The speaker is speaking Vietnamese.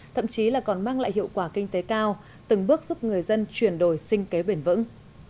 thậm chí là còn mang lại hiệu quả kinh tế cao từng bước giúp người dân chuyển đổi sinh kế bền vững